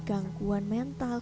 mengalami gangguan mental